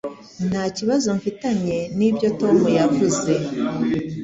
Nta kibazo mfitanye nibyo Tom yavuze.